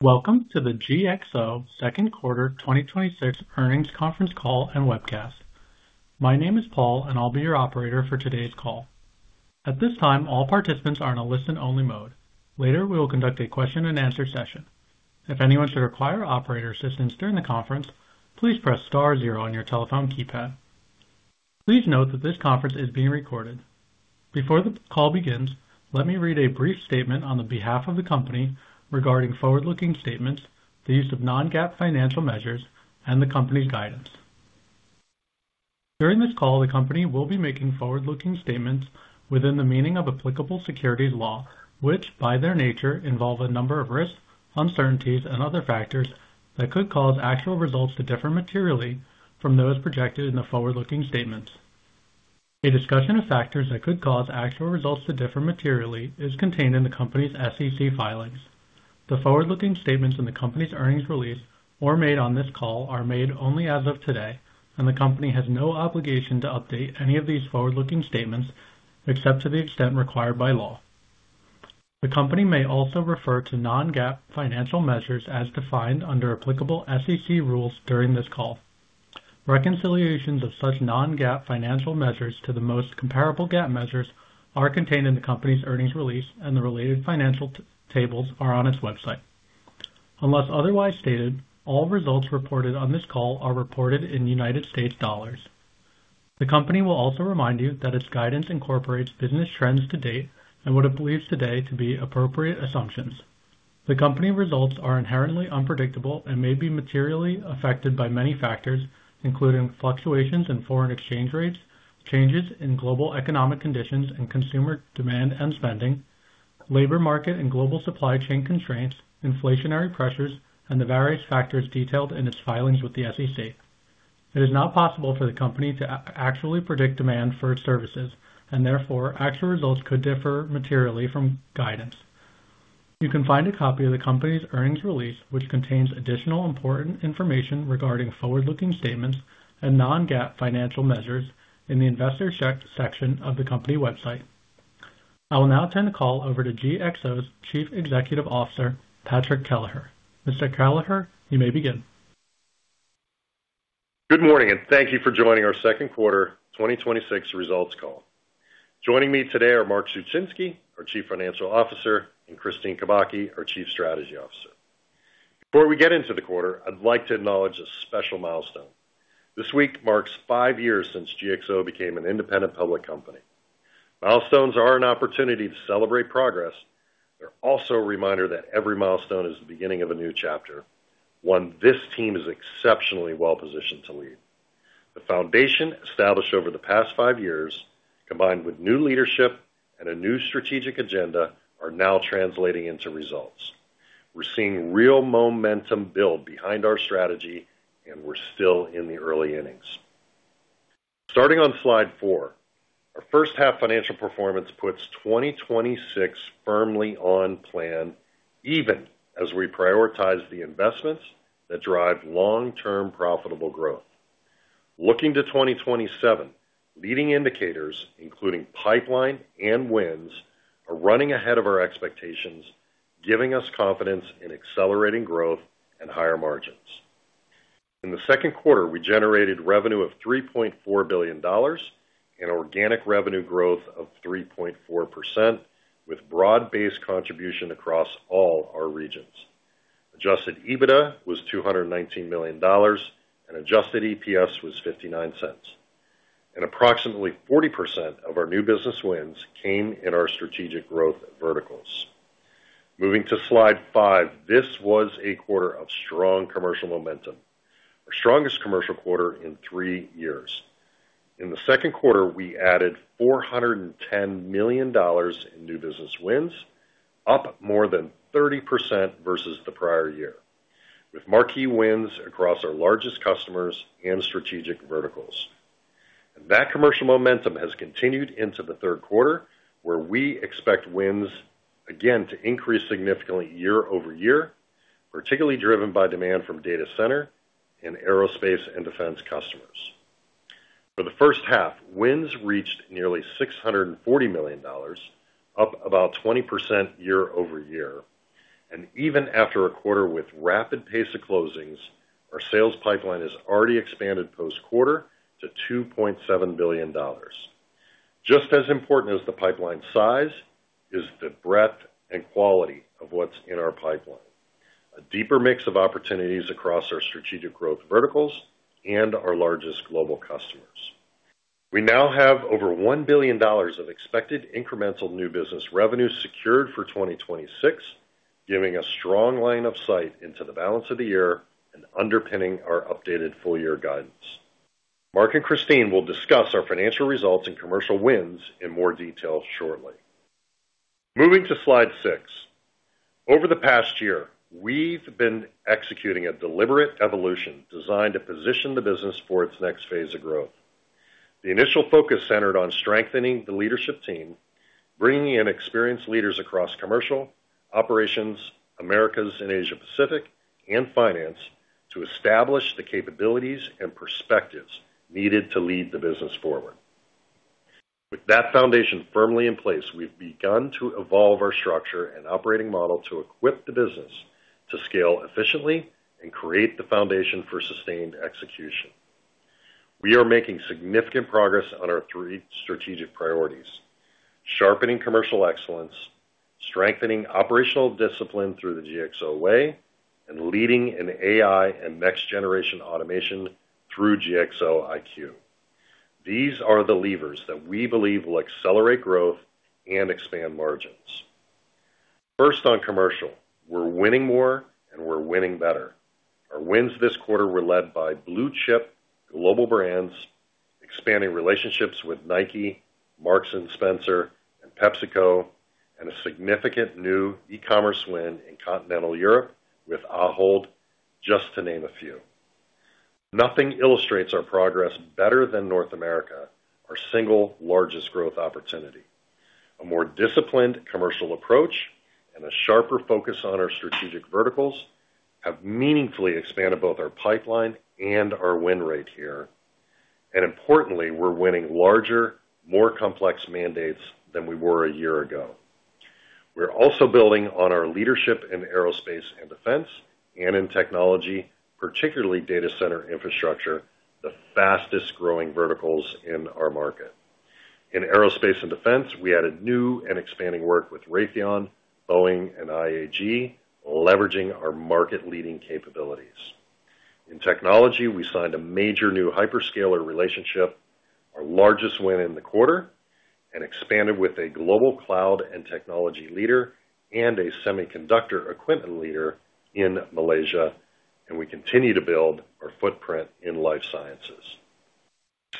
Welcome to the GXO second quarter 2026 earnings conference call and webcast. My name is Paul, I'll be your operator for today's call. At this time, all participants are in a listen-only mode. Later, we will conduct a question and answer session. If anyone should require operator assistance during the conference, please press star zero on your telephone keypad. Please note that this conference is being recorded. Before the call begins, let me read a brief statement on the behalf of the company regarding forward-looking statements, the use of non-GAAP financial measures, and the company's guidance. During this call, the company will be making forward-looking statements within the meaning of applicable securities law, which, by their nature, involve a number of risks, uncertainties and other factors that could cause actual results to differ materially from those projected in the forward-looking statements. A discussion of factors that could cause actual results to differ materially is contained in the company's SEC filings. The forward-looking statements in the company's earnings release are made on this call are made only as of today. The company has no obligation to update any of these forward-looking statements, except to the extent required by law. The company may also refer to non-GAAP financial measures as defined under applicable SEC rules during this call. Reconciliations of such non-GAAP financial measures to the most comparable GAAP measures are contained in the company's earnings release. The related financial tables are on its website. Unless otherwise stated, all results reported on this call are reported in United States dollars. The company will also remind you that its guidance incorporates business trends to date and what it believes today to be appropriate assumptions. The company results are inherently unpredictable and may be materially affected by many factors, including fluctuations in foreign exchange rates, changes in global economic conditions and consumer demand and spending, labor market and global supply chain constraints, inflationary pressures, and the various factors detailed in its filings with the SEC. It is not possible for the company to actually predict demand for services. Therefore, actual results could differ materially from guidance. You can find a copy of the company's earnings release, which contains additional important information regarding forward-looking statements and non-GAAP financial measures, in the Investor section of the company website. I will now turn the call over to GXO's Chief Executive Officer, Patrick Kelleher. Mr. Kelleher, you may begin. Good morning. Thank you for joining our second quarter 2026 results call. Joining me today are Mark Suchinski, our Chief Financial Officer, and Kristine Kubacki, our Chief Strategy Officer. Before we get into the quarter, I'd like to acknowledge a special milestone. This week marks five years since GXO became an independent public company. Milestones are an opportunity to celebrate progress. They're also a reminder that every milestone is the beginning of a new chapter, one this team is exceptionally well-positioned to lead. The foundation established over the past five years, combined with new leadership and a new strategic agenda, are now translating into results. We're seeing real momentum build behind our strategy. We're still in the early innings. Starting on slide four, our first half financial performance puts 2026 firmly on plan, even as we prioritize the investments that drive long-term profitable growth. Looking to 2027, leading indicators, including pipeline and wins, are running ahead of our expectations, giving us confidence in accelerating growth and higher margins. In the second quarter, we generated revenue of $3.4 billion, and organic revenue growth of 3.4%, with broad-based contribution across all our regions. Adjusted EBITDA was $219 million, and adjusted EPS was $0.59. Approximately 40% of our new business wins came in our strategic growth verticals. Moving to slide five, this was a quarter of strong commercial momentum, our strongest commercial quarter in three years. In the second quarter, we added $410 million in new business wins, up more than 30% versus the prior year, with marquee wins across our largest customers and strategic verticals. That commercial momentum has continued into the third quarter, where we expect wins again to increase significantly year-over-year, particularly driven by demand from data center and aerospace and defense customers. For the first half, wins reached nearly $640 million, up about 20% year-over-year. Even after a quarter with rapid pace of closings, our sales pipeline has already expanded post-quarter to $2.7 billion. Just as important as the pipeline size is the breadth and quality of what's in our pipeline, a deeper mix of opportunities across our strategic growth verticals and our largest global customers. We now have over $1 billion of expected incremental new business revenue secured for 2026, giving a strong line of sight into the balance of the year and underpinning our updated full year guidance. Mark and Kristine will discuss our financial results and commercial wins in more detail shortly. Moving to slide six. Over the past year, we've been executing a deliberate evolution designed to position the business for its next phase of growth. The initial focus centered on strengthening the leadership team, bringing in experienced leaders across commercial, operations, Americas and Asia Pacific, and finance to establish the capabilities and perspectives needed to lead the business forward. With that foundation firmly in place, we've begun to evolve our structure and operating model to equip the business to scale efficiently and create the foundation for sustained execution. We are making significant progress on our three strategic priorities: sharpening commercial excellence, strengthening operational discipline through the GXO Way, and leading in AI and next-generation automation through GXO IQ. These are the levers that we believe will accelerate growth and expand margins. First, on commercial, we're winning more, and we're winning better. Our wins this quarter were led by blue-chip global brands, expanding relationships with Nike, Marks & Spencer, and PepsiCo, and a significant new e-commerce win in continental Europe with Ahold, just to name a few. Nothing illustrates our progress better than North America, our single largest growth opportunity. A more disciplined commercial approach and a sharper focus on our strategic verticals have meaningfully expanded both our pipeline and our win rate here. Importantly, we're winning larger, more complex mandates than we were a year ago. We're also building on our leadership in aerospace and defense and in technology, particularly data center infrastructure, the fastest-growing verticals in our market. In aerospace and defense, we added new and expanding work with Raytheon, Boeing, and IAG, leveraging our market-leading capabilities. In technology, we signed a major new hyperscaler relationship, our largest win in the quarter, and expanded with a global cloud and technology leader and a semiconductor equipment leader in Malaysia, and we continue to build our footprint in life sciences.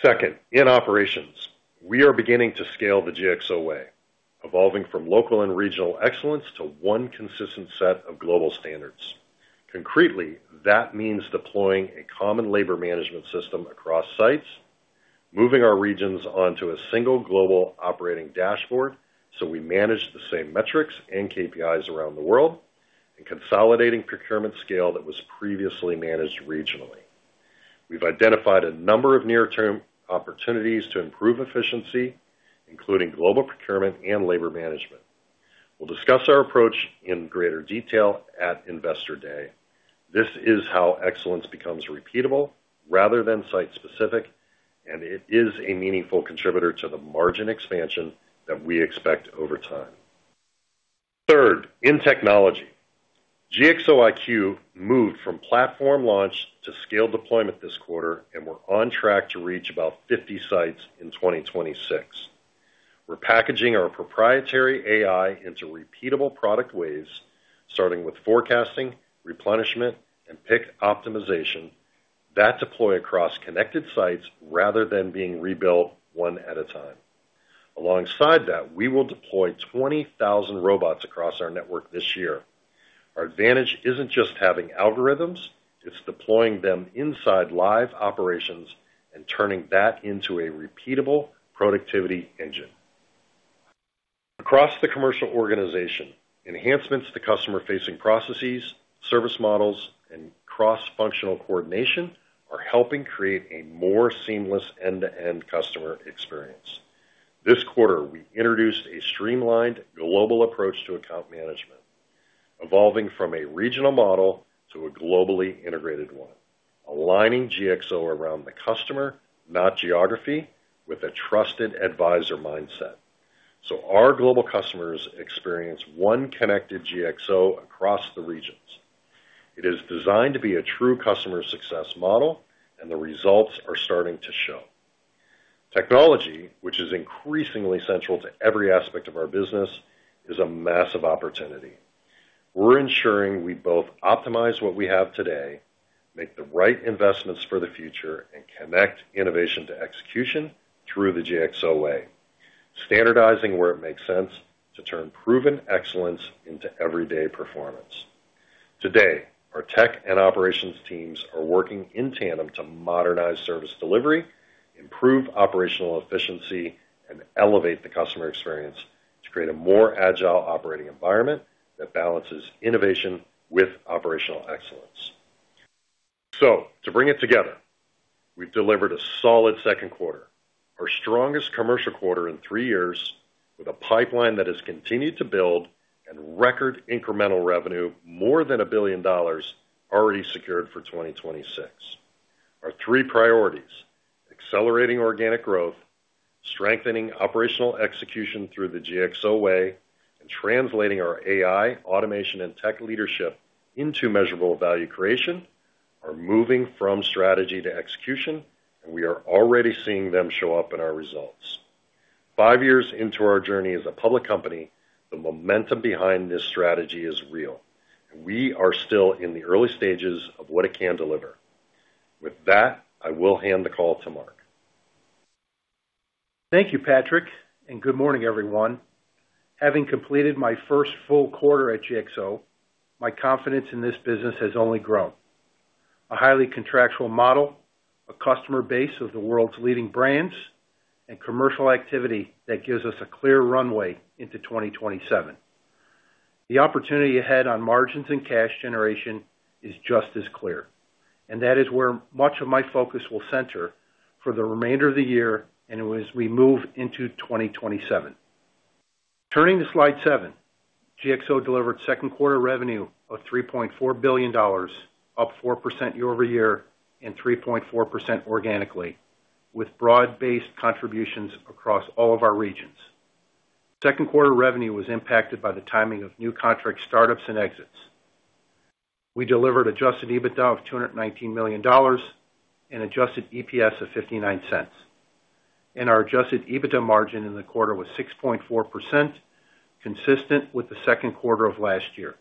Second, in operations, we are beginning to scale the GXO Way, evolving from local and regional excellence to one consistent set of global standards. Concretely, that means deploying a common labor management system across sites, moving our regions onto a single global operating dashboard so we manage the same metrics and KPIs around the world, and consolidating procurement scale that was previously managed regionally. We've identified a number of near-term opportunities to improve efficiency, including global procurement and labor management. We'll discuss our approach in greater detail at Investor Day. This is how excellence becomes repeatable rather than site-specific, and it is a meaningful contributor to the margin expansion that we expect over time. Third, in technology, GXO IQ moved from platform launch to scale deployment this quarter, and we're on track to reach about 50 sites in 2026. We're packaging our proprietary AI into repeatable product waves, starting with forecasting, replenishment, and pick optimization that deploy across connected sites rather than being rebuilt one at a time. Alongside that, we will deploy 20,000 robots across our network this year. Our advantage isn't just having algorithms, it's deploying them inside live operations and turning that into a repeatable productivity engine. Across the commercial organization, enhancements to customer-facing processes, service models, and cross-functional coordination are helping create a more seamless end-to-end customer experience. This quarter, we introduced a streamlined global approach to account management, evolving from a regional model to a globally integrated one, aligning GXO around the customer, not geography, with a trusted advisor mindset so our global customers experience one connected GXO across the regions. It is designed to be a true customer success model, and the results are starting to show. Technology, which is increasingly central to every aspect of our business, is a massive opportunity. We're ensuring we both optimize what we have today, make the right investments for the future, and connect innovation to execution through the GXO Way, standardizing where it makes sense to turn proven excellence into everyday performance. Today, our tech and operations teams are working in tandem to modernize service delivery, improve operational efficiency, and elevate the customer experience to create a more agile operating environment that balances innovation with operational excellence. To bring it together, we've delivered a solid second quarter, our strongest commercial quarter in three years, with a pipeline that has continued to build and record incremental revenue more than $1 billion already secured for 2026. Our three priorities, accelerating organic growth, strengthening operational execution through the GXO Way, and translating our AI, automation, and tech leadership into measurable value creation are moving from strategy to execution, and we are already seeing them show up in our results. Five years into our journey as a public company, the momentum behind this strategy is real, and we are still in the early stages of what it can deliver. With that, I will hand the call to Mark. Thank you, Patrick, and good morning, everyone. Having completed my first full quarter at GXO, my confidence in this business has only grown. A highly contractual model, a customer base of the world's leading brands, and commercial activity that gives us a clear runway into 2027. The opportunity ahead on margins and cash generation is just as clear, and that is where much of my focus will center for the remainder of the year and as we move into 2027. Turning to slide seven, GXO delivered second quarter revenue of $3.4 billion, up 4% year-over-year and 3.4% organically, with broad-based contributions across all of our regions. Second quarter revenue was impacted by the timing of new contract startups and exits. We delivered adjusted EBITDA of $219 million and adjusted EPS of $0.59. Our adjusted EBITDA margin in the quarter was 6.4%, consistent with the second quarter of last year.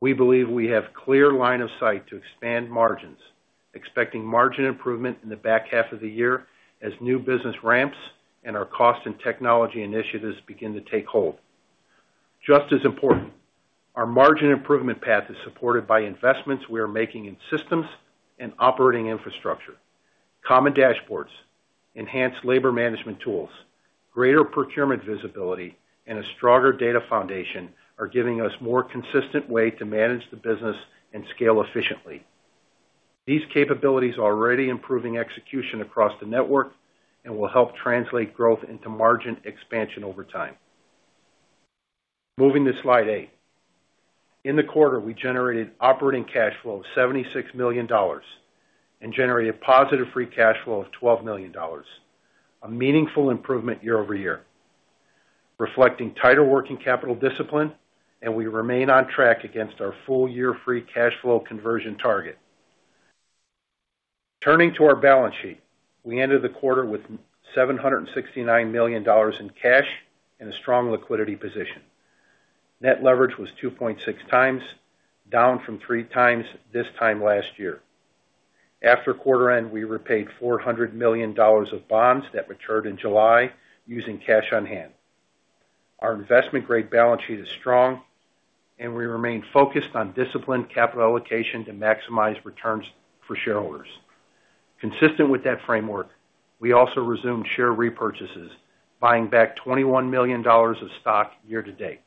We believe we have clear line of sight to expand margins, expecting margin improvement in the back half of the year as new business ramps and our cost and technology initiatives begin to take hold. Just as important, our margin improvement path is supported by investments we are making in systems and operating infrastructure, common dashboards, enhanced labor management tools, greater procurement visibility, and a stronger data foundation are giving us more consistent way to manage the business and scale efficiently. These capabilities are already improving execution across the network and will help translate growth into margin expansion over time. Moving to slide eight. In the quarter, we generated operating cash flow of $76 million and generated positive free cash flow of $12 million, a meaningful improvement year-over-year, reflecting tighter working capital discipline, and we remain on track against our full year free cash flow conversion target. Turning to our balance sheet. We ended the quarter with $769 million in cash and a strong liquidity position. Net leverage was 2.6x, down from 3x this time last year. After quarter end, we repaid $400 million of bonds that matured in July using cash on hand. Our investment-grade balance sheet is strong, and we remain focused on disciplined capital allocation to maximize returns for shareholders. Consistent with that framework, we also resumed share repurchases, buying back $21 million of stock year-to-date,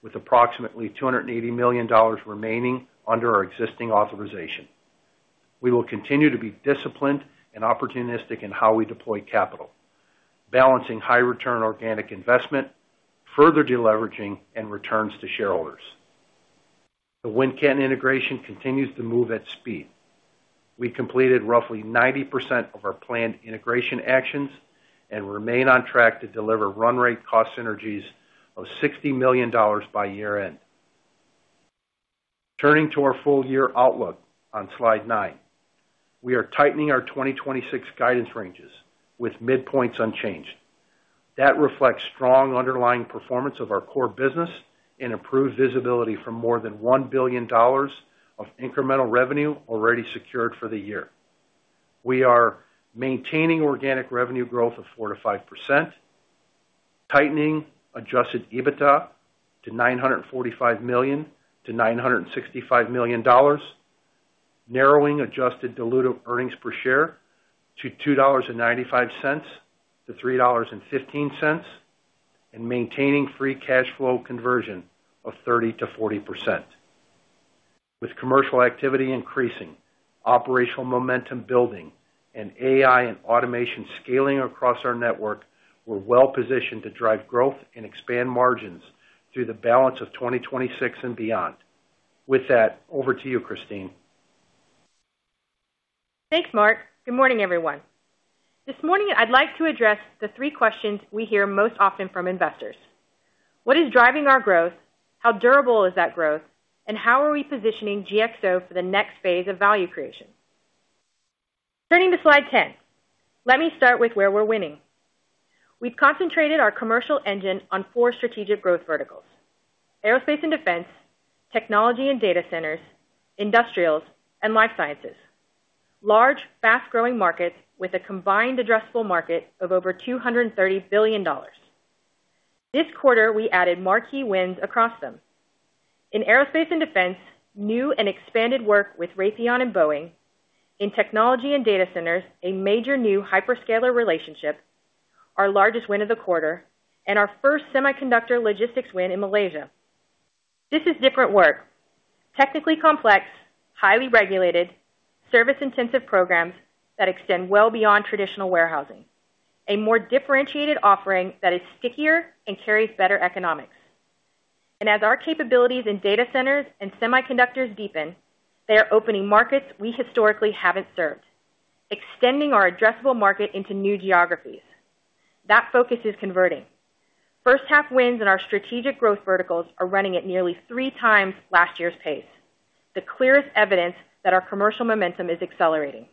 with approximately $280 million remaining under our existing authorization. We will continue to be disciplined and opportunistic in how we deploy capital, balancing high return organic investment, further deleveraging, and returns to shareholders. The Wincanton integration continues to move at speed. We completed roughly 90% of our planned integration actions and remain on track to deliver run rate cost synergies of $60 million by year-end. Turning to our full year outlook on slide nine. We are tightening our 2026 guidance ranges with midpoints unchanged. That reflects strong underlying performance of our core business and improved visibility from more than $1 billion of incremental revenue already secured for the year. We are maintaining organic revenue growth of 4%-5%, tightening adjusted EBITDA to $945 million-$965 million, narrowing adjusted dilutive earnings per share to $2.95-$3.15, and maintaining free cash flow conversion of 30%-40%. With commercial activity increasing, operational momentum building, and AI and automation scaling across our network, we're well positioned to drive growth and expand margins through the balance of 2026 and beyond. With that, over to you, Kristine. Thanks, Mark. Good morning, everyone. This morning, I'd like to address the three questions we hear most often from investors. What is driving our growth? How durable is that growth? How are we positioning GXO for the next phase of value creation? Turning to slide 10. Let me start with where we're winning. We've concentrated our commercial engine on four strategic growth verticals: aerospace and defense, technology and data centers, industrials, and life sciences. Large, fast-growing markets with a combined addressable market of over $230 billion. This quarter, we added marquee wins across them. In aerospace and defense, new and expanded work with Raytheon and Boeing. In technology and data centers, a major new hyperscaler relationship, our largest win of the quarter, and our first semiconductor logistics win in Malaysia. This is different work. Technically complex, highly regulated, service-intensive programs that extend well beyond traditional warehousing. A more differentiated offering that is stickier and carries better economics. As our capabilities in data centers and semiconductors deepen, they are opening markets we historically haven't served, extending our addressable market into new geographies. That focus is converting. First half wins in our strategic growth verticals are running at nearly three times last year's pace, the clearest evidence that our commercial momentum is accelerating.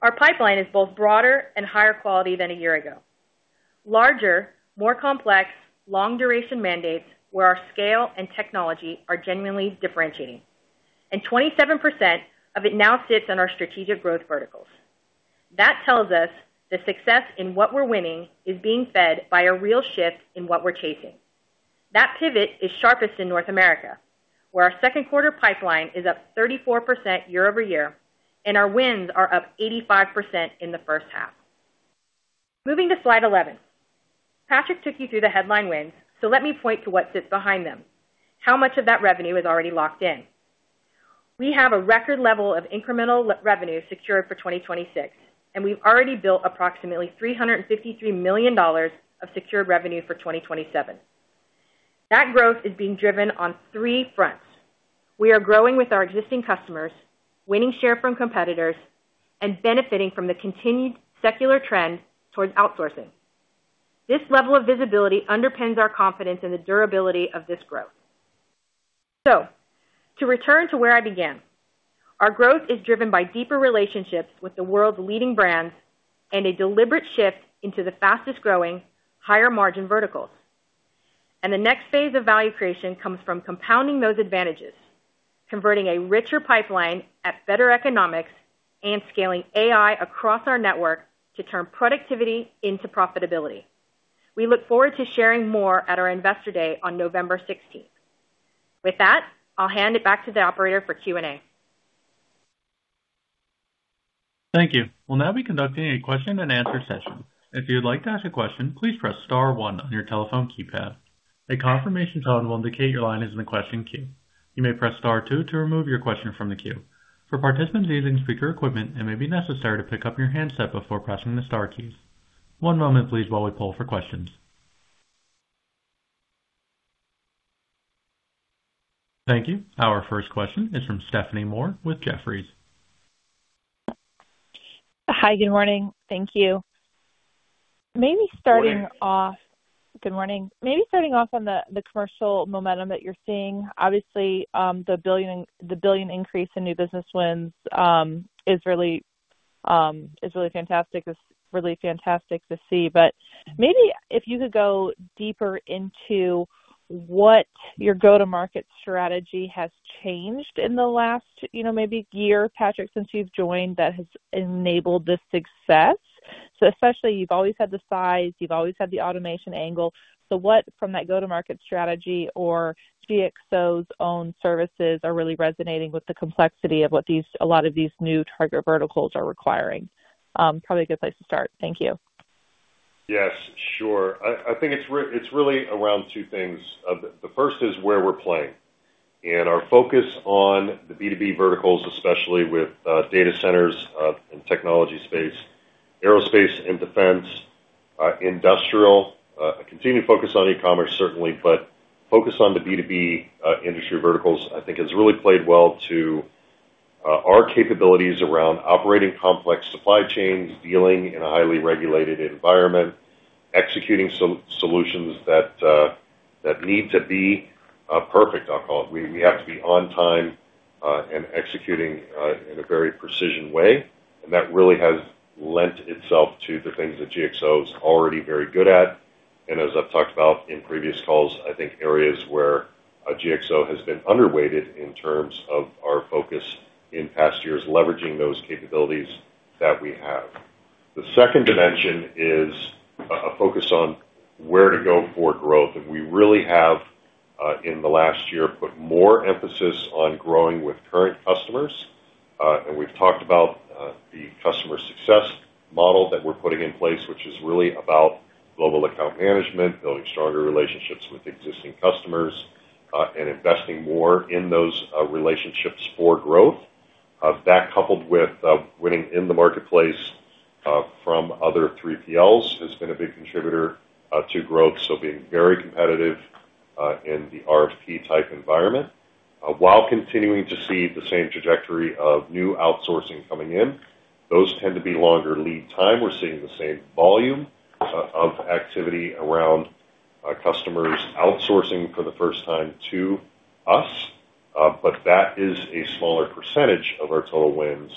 Our pipeline is both broader and higher quality than a year ago. Larger, more complex, long-duration mandates where our scale and technology are genuinely differentiating. 27% of it now sits in our strategic growth verticals. That tells us the success in what we're winning is being fed by a real shift in what we're chasing. That pivot is sharpest in North America, where our second quarter pipeline is up 34% year-over-year. Our wins are up 85% in the first half. Moving to slide 11. Patrick took you through the headline wins. Let me point to what sits behind them. How much of that revenue is already locked in? We have a record level of incremental revenue secured for 2026. We've already built approximately $353 million of secured revenue for 2027. That growth is being driven on three fronts. We are growing with our existing customers, winning share from competitors, benefiting from the continued secular trend towards outsourcing. This level of visibility underpins our confidence in the durability of this growth. To return to where I began, our growth is driven by deeper relationships with the world's leading brands and a deliberate shift into the fastest-growing, higher-margin verticals. The next phase of value creation comes from compounding those advantages, converting a richer pipeline at better economics, and scaling AI across our network to turn productivity into profitability. We look forward to sharing more at our Investor Day on November 16th. With that, I'll hand it back to the operator for Q&A. Thank you. We'll now be conducting a question and answer session. If you'd like to ask a question, please press star one on your telephone keypad. A confirmation tone will indicate your line is in the question queue. You may press star two to remove your question from the queue. For participants using speaker equipment, it may be necessary to pick up your handset before pressing the star keys. One moment, please, while we poll for questions. Thank you. Our first question is from Stephanie Moore with Jefferies. Hi. Good morning. Thank you. Good morning. Good morning. Maybe starting off on the commercial momentum that you're seeing. Obviously, the $1 billion increase in new business wins is really fantastic to see. If you could go deeper into what your go-to-market strategy has changed in the last maybe year, Patrick, since you've joined, that has enabled this success. Especially, you've always had the size, you've always had the automation angle. What from that go-to-market strategy or GXO's own services are really resonating with the complexity of what a lot of these new target verticals are requiring? Probably a good place to start. Thank you. Yes, sure. I think it's really around two things. The first is where we're playing and our focus on the B2B verticals, especially with data centers and technology space, aerospace and defense, industrial. A continued focus on e-commerce, certainly, but focus on the B2B industry verticals, I think, has really played well to our capabilities around operating complex supply chains, dealing in a highly regulated environment, executing solutions that need to be perfect. We have to be on time and executing in a very precision way. That really has lent itself to the things that GXO's already very good at. As I've talked about in previous calls, I think areas where GXO has been underweighted in terms of our focus in past years, leveraging those capabilities that we have. The second dimension is a focus on where to go for growth. We really have, in the last year, put more emphasis on growing with current customers. We've talked about the customer success model that we're putting in place, which is really about global account management, building stronger relationships with existing customers, and investing more in those relationships for growth. That, coupled with winning in the marketplace from other 3PLs, has been a big contributor to growth. Being very competitive in the RFP-type environment while continuing to see the same trajectory of new outsourcing coming in. Those tend to be longer lead time. We're seeing the same volume of activity around customers outsourcing for the first time to us, but that is a smaller percentage of our total wins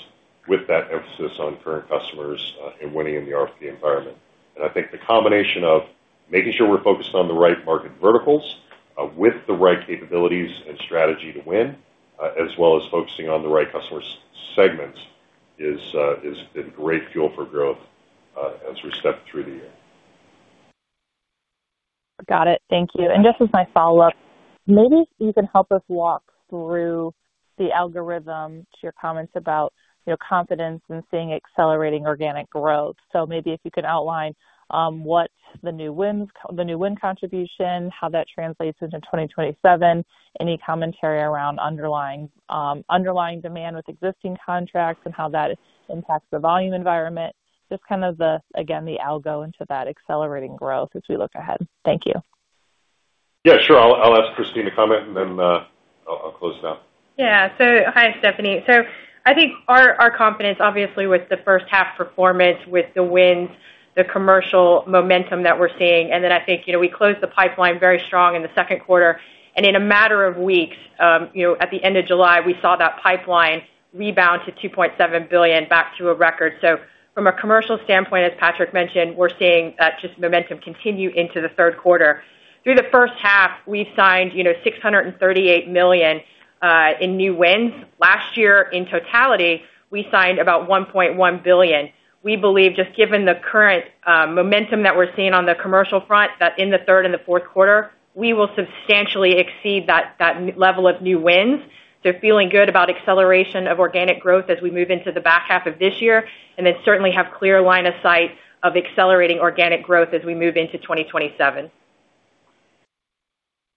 with that emphasis on current customers and winning in the RFP environment. I think the combination of making sure we're focused on the right market verticals with the right capabilities and strategy to win, as well as focusing on the right customer segments, has been great fuel for growth as we step through the year. Got it. Thank you. Just as my follow-up, maybe you can help us walk through the algorithm to your comments about your confidence in seeing accelerating organic growth. Maybe if you could outline what the new win contribution, how that translates into 2027, any commentary around underlying demand with existing contracts and how that impacts the volume environment. Just the, again, the algo into that accelerating growth as we look ahead. Thank you. Yeah, sure. I'll ask Kristine to comment, then I'll close it out. Yeah. Hi, Stephanie. I think our confidence, obviously, with the first half performance, with the wins, the commercial momentum that we're seeing, then I think we closed the pipeline very strong in the second quarter. In a matter of weeks, at the end of July, we saw that pipeline rebound to $2.7 billion back to a record. From a commercial standpoint, as Patrick mentioned, we're seeing that just momentum continue into the third quarter. Through the first half, we've signed $638 million in new wins. Last year, in totality, we signed about $1.1 billion. We believe just given the current momentum that we're seeing on the commercial front, that in the third and the fourth quarter, we will substantially exceed that level of new wins. Feeling good about acceleration of organic growth as we move into the back half of this year, then certainly have clear line of sight of accelerating organic growth as we move into 2027.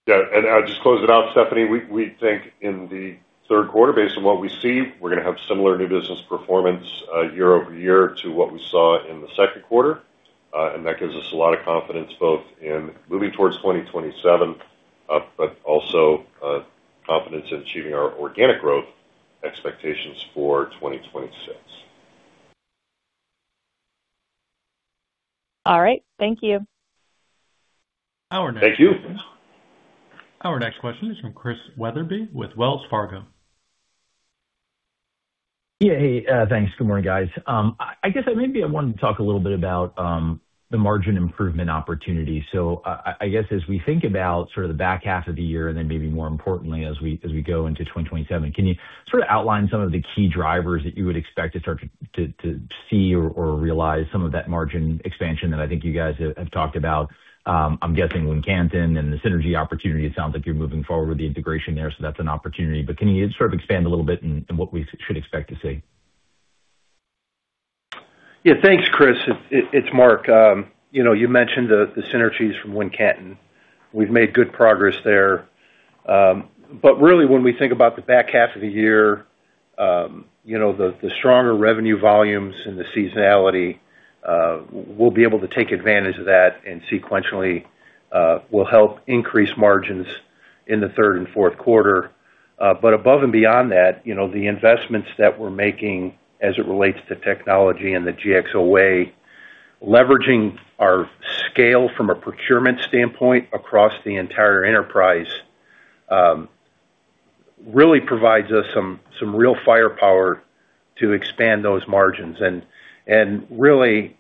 Yeah. I'll just close it out, Stephanie. We think in the third quarter, based on what we see, we're going to have similar new business performance year-over-year to what we saw in the second quarter. That gives us a lot of confidence both in moving towards 2027, but also confidence in achieving our organic growth expectations for 2026. All right. Thank you. Thank you. Our next question is from Chris Wetherbee with Wells Fargo. Yeah. Hey, thanks. Good morning, guys. I guess maybe I wanted to talk a little bit about the margin improvement opportunity. I guess as we think about sort of the back half of the year, and then maybe more importantly, as we go into 2027, can you sort of outline some of the key drivers that you would expect to start to see or realize some of that margin expansion that I think you guys have talked about? I'm guessing Wincanton and the synergy opportunity, it sounds like you're moving forward with the integration there, so that's an opportunity. Can you sort of expand a little bit in what we should expect to see? Yeah. Thanks, Chris. It's Mark. You mentioned the synergies from Wincanton. We've made good progress there. Really, when we think about the back half of the year, the stronger revenue volumes and the seasonality, we'll be able to take advantage of that and sequentially will help increase margins in the third and fourth quarter. Above and beyond that, the investments that we're making as it relates to technology and the GXO Way, leveraging our scale from a procurement standpoint across the entire enterprise, really provides us some real firepower to expand those margins. Really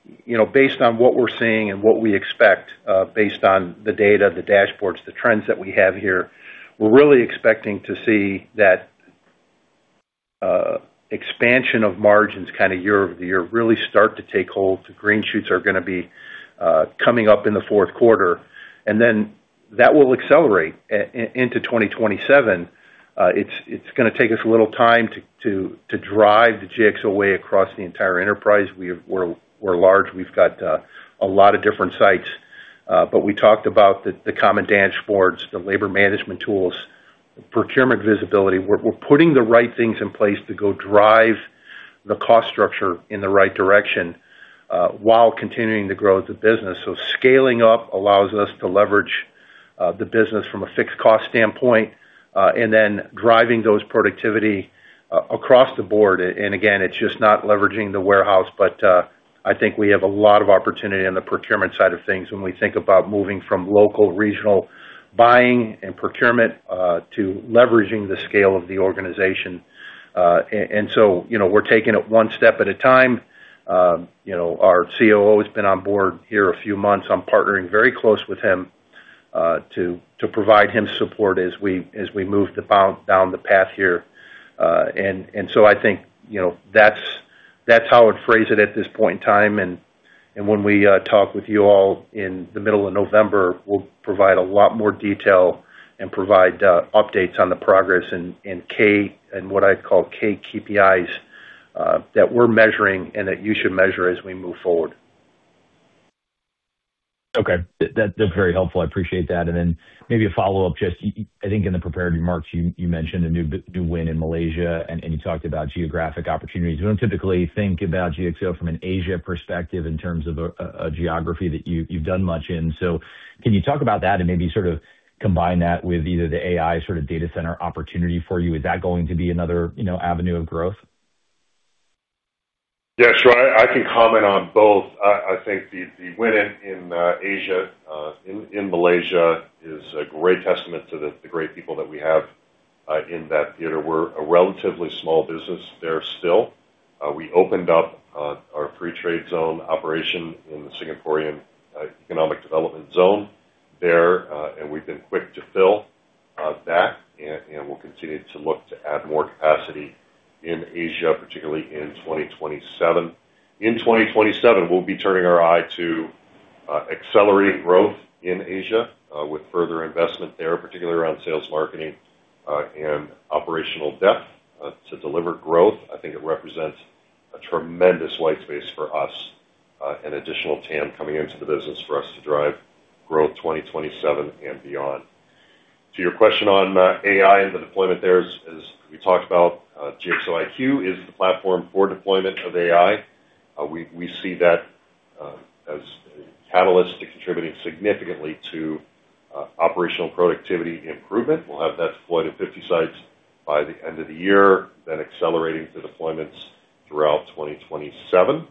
based on what we're seeing and what we expect, based on the data, the dashboards, the trends that we have here, we're really expecting to see that expansion of margins kind of year-over-year really start to take hold. The green shoots are going to be coming up in the fourth quarter, and then that will accelerate into 2027. It's going to take us a little time to drive the GXO Way across the entire enterprise. We're large. We've got a lot of different sites. We talked about the common dashboards, the labor management tools, procurement visibility. We're putting the right things in place to go drive the cost structure in the right direction while continuing to grow the business. Scaling up allows us to leverage the business from a fixed cost standpoint and then driving those productivity across the board. Again, it's just not leveraging the warehouse, but I think we have a lot of opportunity on the procurement side of things when we think about moving from local regional buying and procurement to leveraging the scale of the organization. We're taking it one step at a time. Our COO has been on board here a few months. I'm partnering very close with him to provide him support as we move down the path here. I think that's how I would phrase it at this point in time. When we talk with you all in the middle of November, we'll provide a lot more detail and provide updates on the progress and what I'd call KPIs that we're measuring and that you should measure as we move forward. Okay. That's very helpful. I appreciate that. Maybe a follow-up, I think in the prepared remarks, you mentioned a new win in Malaysia, and you talked about geographic opportunities. We don't typically think about GXO from an Asia perspective in terms of a geography that you've done much in. Can you talk about that and maybe sort of combine that with either the AI sort of data center opportunity for you? Is that going to be another avenue of growth? Yeah, sure. I can comment on both. I think the win in Asia, in Malaysia, is a great testament to the great people that we have in that theater. We're a relatively small business there still. We opened up our free trade zone operation in the Singapore Free Trade Zone there, and we've been quick to fill that, and we'll continue to look to add more capacity in Asia, particularly in 2027. In 2027, we'll be turning our eye to accelerating growth in Asia with further investment there, particularly around sales, marketing, and operational depth to deliver growth. I think it represents a tremendous white space for us and additional TAM coming into the business for us to drive growth 2027 and beyond. To your question on AI and the deployment there, as we talked about, GXO IQ is the platform for deployment of AI. We see that as a catalyst to contributing significantly to operational productivity improvement. We'll have that deployed at 50 sites by the end of the year, then accelerating to deployments throughout 2027.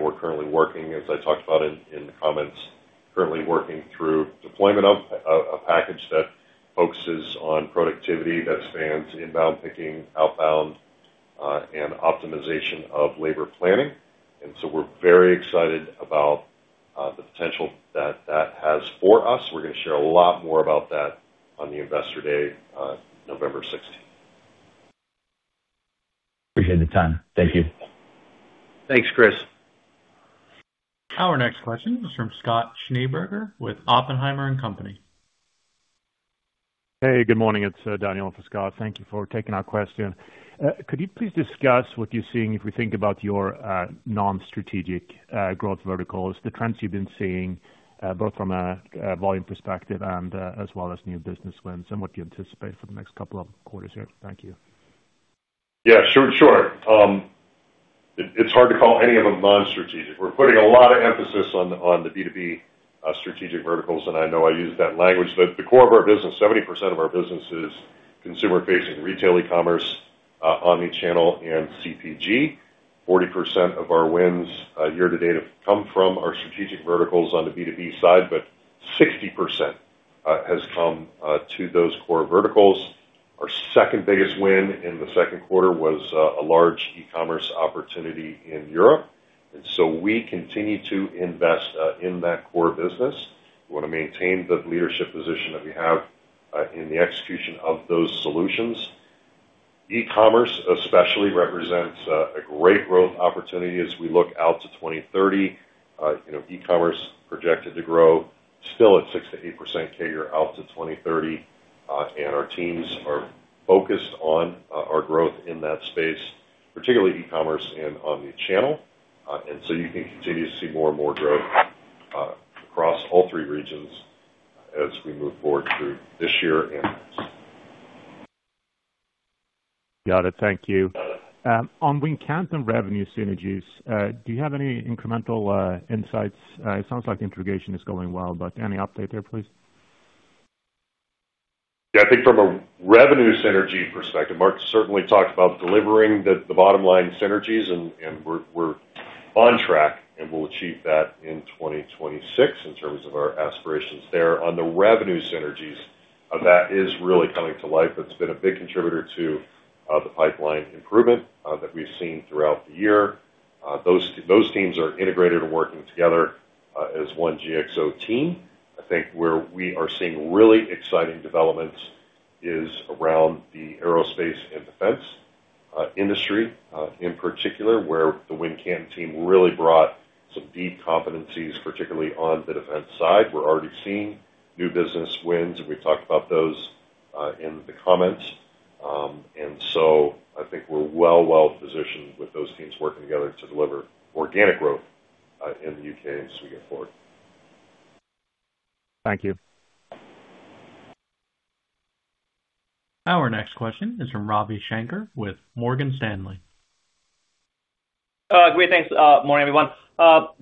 We're currently working, as I talked about in the comments, through deployment of a package that focuses on productivity that spans inbound picking, outbound, and optimization of labor planning. We're very excited about the potential that that has for us. We're going to share a lot more about that on the Investor Day on November 16th. Appreciate the time. Thank you. Thanks, Chris. Our next question is from Scott Schneeberger with Oppenheimer & Co.. Hey, good morning. It's Daniel for Scott. Thank you for taking our question. Could you please discuss what you're seeing if we think about your non-strategic growth verticals, the trends you've been seeing, both from a volume perspective and as well as new business wins, and what you anticipate for the next couple of quarters here? Thank you. Yeah, sure. It's hard to call any of them non-strategic. We're putting a lot of emphasis on the B2B strategic verticals, and I know I use that language, but the core of our business, 70% of our business is consumer-facing retail e-commerce, omni-channel and CPG. 40% of our wins year-to-date have come from our strategic verticals on the B2B side, but 60% has come to those core verticals. Our second-biggest win in the second quarter was a large e-commerce opportunity in Europe. We continue to invest in that core business. We want to maintain the leadership position that we have in the execution of those solutions. E-commerce especially represents a great growth opportunity as we look out to 2030. E-commerce projected to grow still at 6%-8% CAGR out to 2030. Our teams are focused on our growth in that space, particularly e-commerce and omni-channel. You can continue to see more and more growth across all three regions as we move forward through this year and next. Got it. Thank you. On Wincanton revenue synergies, do you have any incremental insights? It sounds like integration is going well, but any update there, please? Yeah, I think from a revenue synergy perspective, Mark certainly talked about delivering the bottom line synergies, and we're on track, and we'll achieve that in 2026 in terms of our aspirations there. On the revenue synergies, that is really coming to life. It's been a big contributor to the pipeline improvement that we've seen throughout the year. Those teams are integrated and working together as one GXO team. I think where we are seeing really exciting developments is around the aerospace and defense industry, in particular, where the Wincanton team really brought some deep competencies, particularly on the defense side. We're already seeing new business wins, and we've talked about those in the comments. I think we're well-positioned with those teams working together to deliver organic growth in the U.K. as we go forward. Thank you. Our next question is from Ravi Shanker with Morgan Stanley. Great, thanks. Morning, everyone.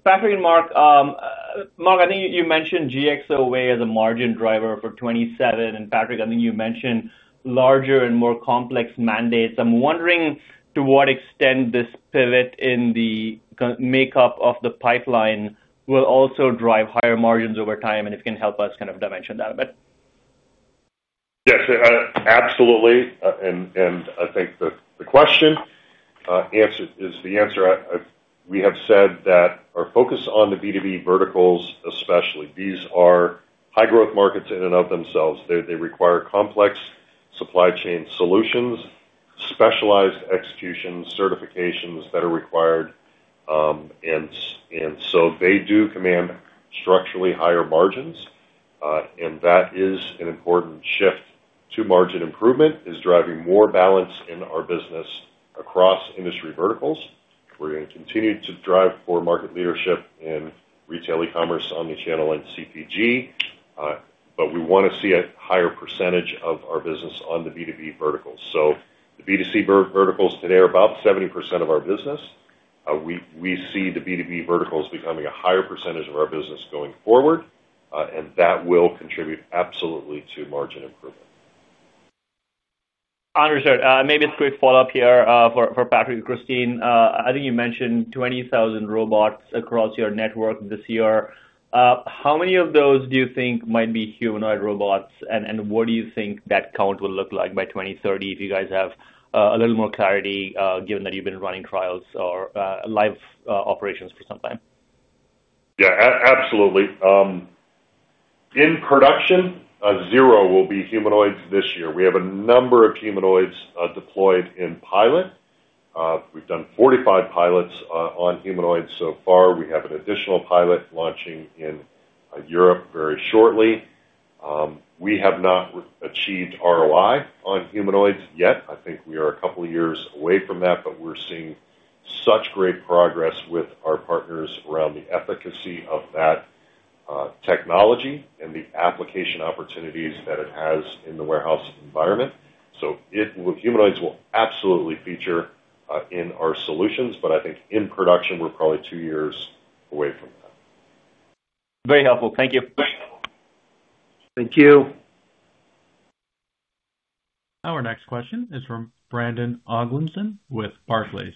Patrick and Mark. Mark, I think you mentioned GXO Way as a margin driver for 2027, and Patrick, I think you mentioned larger and more complex mandates. I'm wondering to what extent this pivot in the makeup of the pipeline will also drive higher margins over time, and if you can help us kind of dimension that a bit. Yes. Absolutely, and I thank the question. Is the answer we have said that our focus on the B2B verticals, especially, these are high growth markets in and of themselves. They require complex supply chain solutions, specialized execution certifications that are required. They do command structurally higher margins. That is an important shift to margin improvement, is driving more balance in our business across industry verticals. We're going to continue to drive for market leadership in retail e-commerce on the channel and CPG. We want to see a higher percentage of our business on the B2B verticals. The B2C verticals today are about 70% of our business. We see the B2B verticals becoming a higher percentage of our business going forward. That will contribute absolutely to margin improvement. Understood. Maybe a quick follow-up here for Patrick and Kristine. I think you mentioned 20,000 robots across your network this year. How many of those do you think might be humanoid robots, and what do you think that count will look like by 2030? Do you guys have a little more clarity, given that you've been running trials or live operations for some time? Yeah, absolutely. In production, zero will be humanoids this year. We have a number of humanoids deployed in pilot. We have done 45 pilots on humanoids so far. We have an additional pilot launching in Europe very shortly. We have not achieved ROI on humanoids yet. I think we are a couple of years away from that, but we are seeing such great progress with our partners around the efficacy of that technology and the application opportunities that it has in the warehouse environment. Humanoids will absolutely feature in our solutions, but I think in production, we are probably two years away from that. Very helpful. Thank you. Thank you. Our next question is from Brandon Oglenski with Barclays.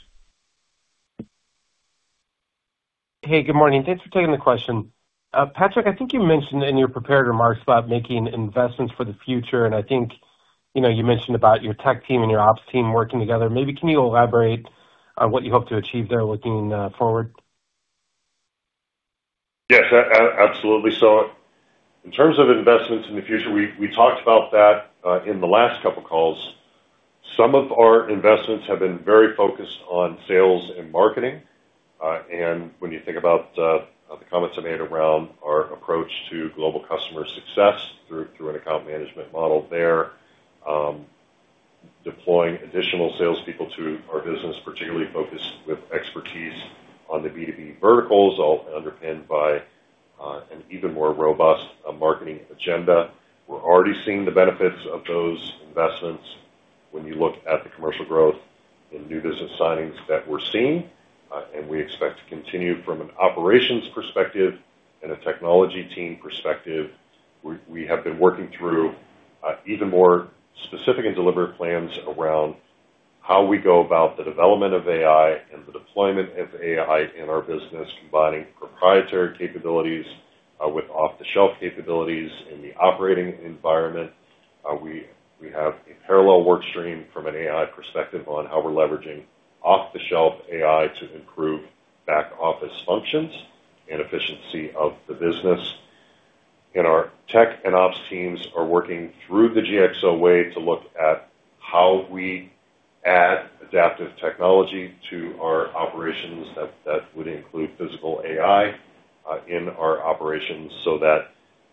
Hey, good morning. Thanks for taking the question. Patrick, I think you mentioned in your prepared remarks about making investments for the future, and I think you mentioned about your tech team and your ops team working together. Maybe can you elaborate on what you hope to achieve there looking forward? Yes, absolutely. In terms of investments in the future, we talked about that in the last couple of calls. Some of our investments have been very focused on sales and marketing. When you think about the comments I made around our approach to global customer success through an account management model there, deploying additional salespeople to our business, particularly focused with expertise on the B2B verticals, all underpinned by an even more robust marketing agenda. We're already seeing the benefits of those investments when you look at the commercial growth in new business signings that we're seeing, and we expect to continue from an operations perspective and a technology team perspective. We have been working through even more specific and deliberate plans around how we go about the development of AI and the deployment of AI in our business, combining proprietary capabilities with off-the-shelf capabilities in the operating environment. We have a parallel work stream from an AI perspective on how we're leveraging off-the-shelf AI to improve back-office functions and efficiency of the business. Our tech and ops teams are working through the GXO Way to look at how we add adaptive technology to our operations. That would include physical AI in our operations, so that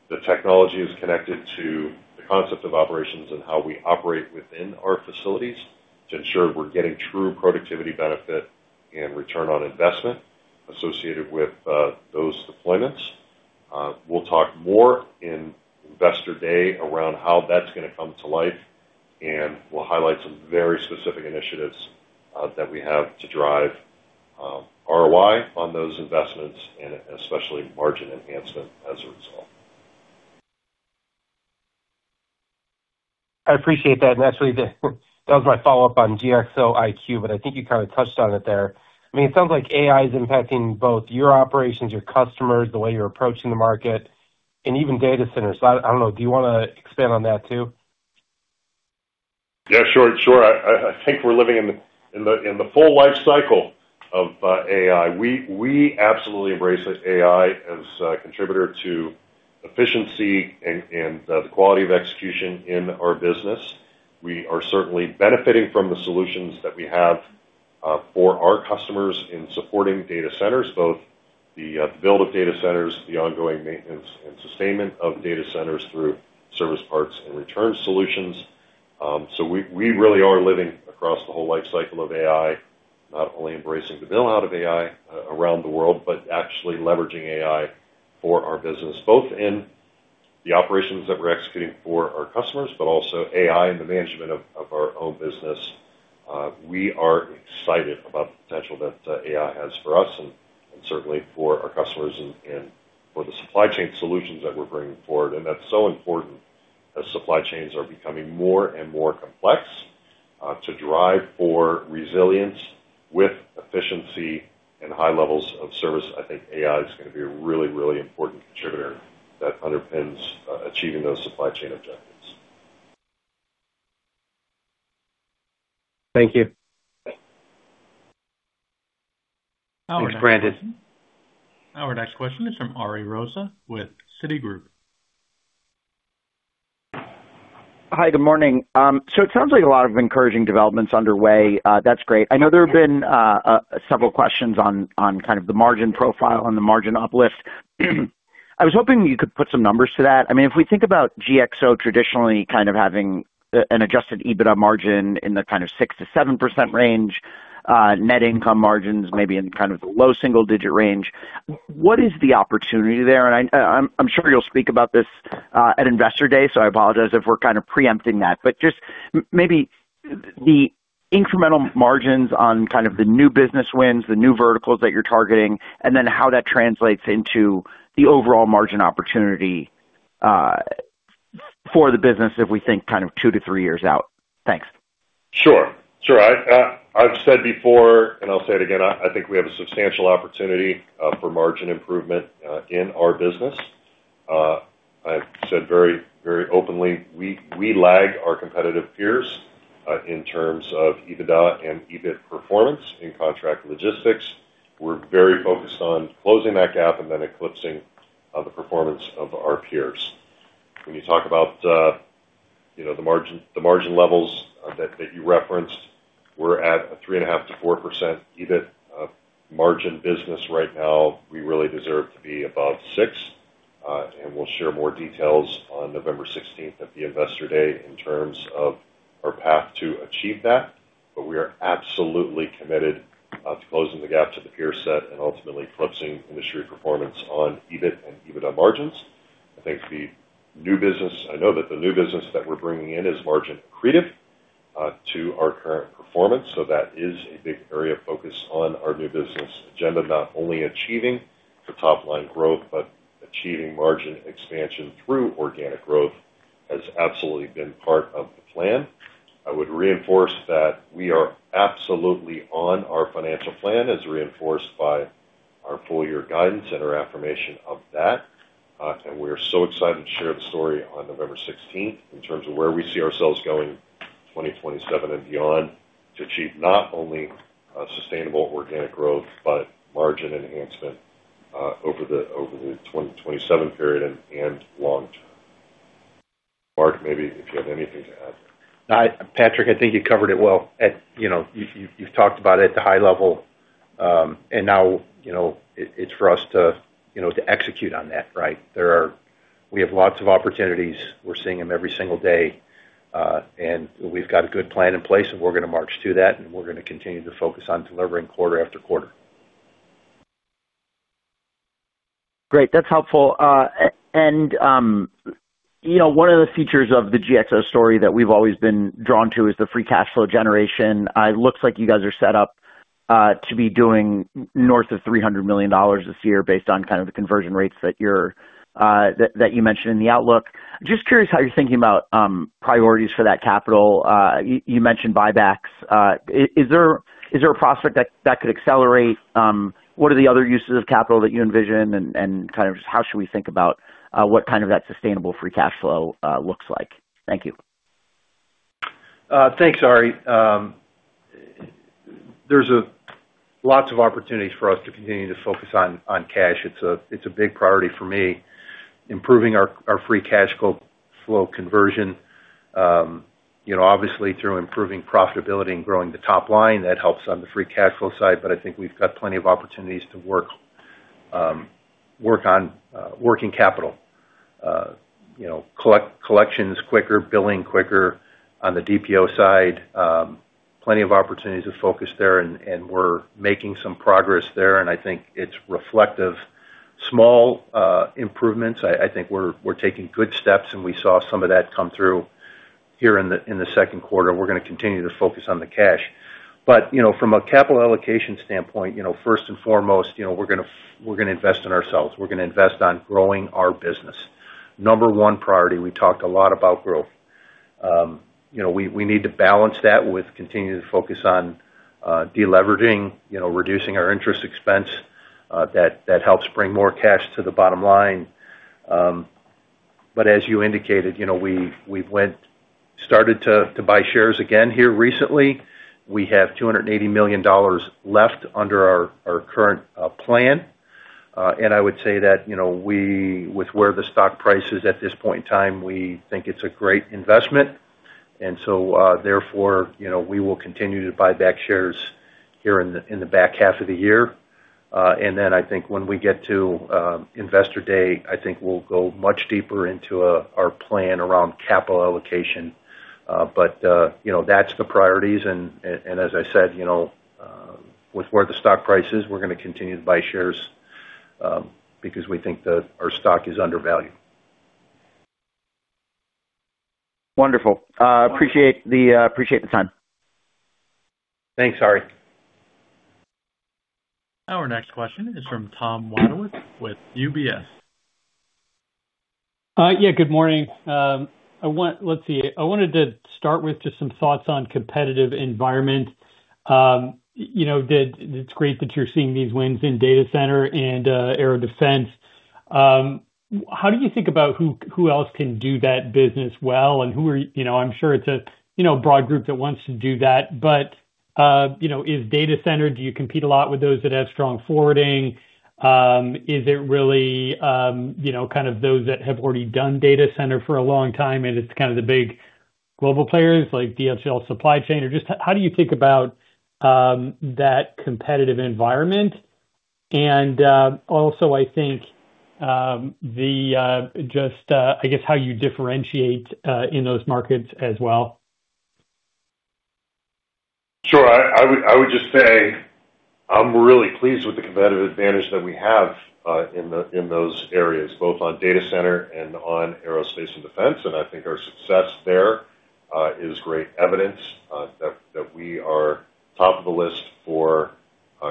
the technology is connected to the concept of operations and how we operate within our facilities to ensure we're getting true productivity benefit and return on investment associated with those deployments. We'll talk more in Investor Day around how that's going to come to life, and we'll highlight some very specific initiatives that we have to drive ROI on those investments, and especially margin enhancement as a result. Actually, that was my follow-up on GXO IQ, but I think you kind of touched on it there. It sounds like AI is impacting both your operations, your customers, the way you're approaching the market, and even data centers. I don't know, do you want to expand on that too? Yeah, sure. I think we're living in the full life cycle of AI. We absolutely embrace AI as a contributor to efficiency and the quality of execution in our business. We are certainly benefiting from the solutions that we have for our customers in supporting data centers, both the build of data centers, the ongoing maintenance, and sustainment of data centers through service parts and return solutions. We really are living across the whole life cycle of AI, not only embracing the build out of AI around the world, but actually leveraging AI for our business, both in the operations that we're executing for our customers, but also AI in the management of our own business. We are excited about the potential that AI has for us and certainly for our customers and for the supply chain solutions that we're bringing forward. That's so important as supply chains are becoming more and more complex. To drive for resilience with efficiency and high levels of service, I think AI is going to be a really important contributor that underpins achieving those supply chain objectives. Thank you. Thanks, Brandon. Our next question is from Ari Rosa with Citi. Hi. Good morning. It sounds like a lot of encouraging developments underway. That's great. I know there have been several questions on kind of the margin profile and the margin uplift. I was hoping you could put some numbers to that. If we think about GXO traditionally kind of having an adjusted EBITDA margin in the kind of 6%-7% range, net income margins maybe in kind of the low single-digit range, what is the opportunity there? I am sure you will speak about this at Investor Day, so I apologize if we are kind of preempting that. Just maybe the incremental margins on kind of the new business wins, the new verticals that you are targeting, and then how that translates into the overall margin opportunity for the business if we think kind of two to three years out. Thanks. Sure. I have said before, I will say it again, I think we have a substantial opportunity for margin improvement in our business. I have said very openly, we lag our competitive peers in terms of EBITDA and EBIT performance in contract logistics. We are very focused on closing that gap eclipsing the performance of our peers. When you talk about the margin levels that you referenced, we are at a 3.5%-4% EBIT margin business right now. We really deserve to be above six, and we will share more details on November 16th at the Investor Day in terms of our path to achieve that. We are absolutely committed to closing the gap to the peer set and ultimately eclipsing industry performance on EBIT and EBITDA margins. I know that the new business that we're bringing in is margin accretive to our current performance, that is a big area of focus on our new business agenda, not only achieving the top-line growth, but achieving margin expansion through organic growth has absolutely been part of the plan. I would reinforce that we are absolutely on our financial plan, as reinforced by our full-year guidance and our affirmation of that. We are so excited to share the story on November 16th in terms of where we see ourselves going in 2027 and beyond to achieve not only sustainable organic growth but margin enhancement over the 2027 period and long-term. Mark, maybe if you have anything to add. Patrick, I think you covered it well. You've talked about it at the high level, now it's for us to execute on that, right? We have lots of opportunities. We're seeing them every single day. We've got a good plan in place, and we're going to march to that, and we're going to continue to focus on delivering quarter after quarter. Great. That's helpful. One of the features of the GXO story that we've always been drawn to is the free cash flow generation. It looks like you guys are set up to be doing north of $300 million this year based on kind of the conversion rates that you mentioned in the outlook. Just curious how you're thinking about priorities for that capital. You mentioned buybacks. Is there a prospect that could accelerate? What are the other uses of capital that you envision, and kind of just how should we think about what kind of that sustainable free cash flow looks like? Thank you. Thanks, Ari. There's lots of opportunities for us to continue to focus on cash. It's a big priority for me. Improving our free cash flow conversion. Obviously, through improving profitability and growing the top line, that helps on the free cash flow side, I think we've got plenty of opportunities to work on working capital. Collections quicker, billing quicker on the DSO side. Plenty of opportunities to focus there, we're making some progress there, I think it's reflective. Small improvements, I think we're taking good steps, we saw some of that come through here in the second quarter. We're going to continue to focus on the cash. From a capital allocation standpoint, first and foremost, we're going to invest in ourselves. We're going to invest on growing our business. Number one priority, we talked a lot about growth. We need to balance that with continuing to focus on de-leveraging, reducing our interest expense. That helps bring more cash to the bottom line. As you indicated, we've started to buy shares again here recently. We have $280 million left under our current plan. I would say that with where the stock price is at this point in time, we think it's a great investment. Therefore, we will continue to buy back shares here in the back half of the year. I think when we get to Investor Day, I think we'll go much deeper into our plan around capital allocation. That's the priorities, as I said, with where the stock price is, we're going to continue to buy shares because we think that our stock is undervalued. Wonderful. Appreciate the time. Thanks, Ari. Our next question is from Tom Wadewitz with UBS. Yeah, good morning. Let's see, I wanted to start with just some thoughts on competitive environment. It's great that you're seeing these wins in data center and aerospace and defense. How do you think about who else can do that business well, and who I'm sure it's a broad group that wants to do that, but in data center, do you compete a lot with those that have strong forwarding? Is it really kind of those that have already done data center for a long time, and it's kind of the big global players like DHL Supply Chain? Just how do you think about that competitive environment? Also, I think just how you differentiate in those markets as well. Sure. I would just say I'm really pleased with the competitive advantage that we have in those areas, both on data center and on aerospace and defense. I think our success there is great evidence that we are top of the list for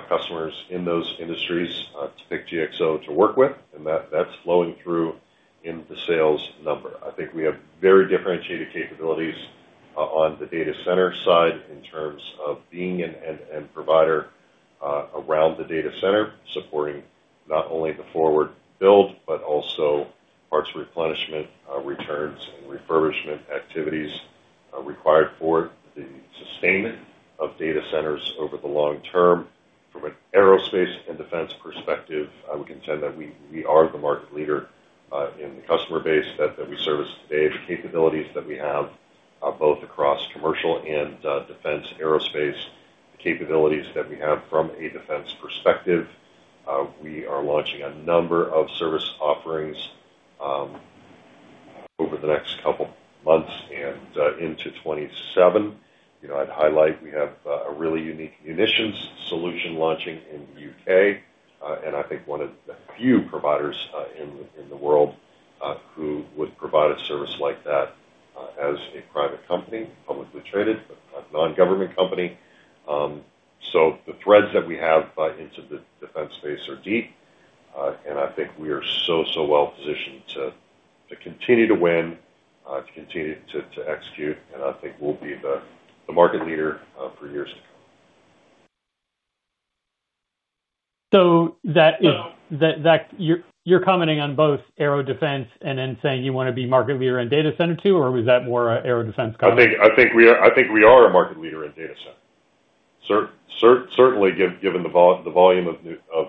customers in those industries to pick GXO to work with, and that's flowing through in the sales number. I think we have very differentiated capabilities on the data center side in terms of being an end provider around the data center, supporting not only the forward build, but also parts replenishment, returns, and refurbishment activities required for the sustainment of data centers over the long term. From an aerospace and defense perspective, I would contend that we are the market leader in the customer base that we service today. The capabilities that we have both across commercial and defense aerospace, and the capabilities that we have from a defense perspective. We are launching a number of service offerings over the next couple months and into 2027. I'd highlight, we have a really unique munitions solution launching in the U.K., and I think one of the few providers in the world who would provide a service like that as a private company, publicly traded, but a non-government company. The threads that we have into the defense space are deep. I think we are so well-positioned to continue to win, to continue to execute, and I think we'll be the market leader for years to come. You're commenting on both aerospace and defense and then saying you want to be market leader in data center too, or was that more aerospace and defense comment? I think we are a market leader in data center. Certainly, given the volume of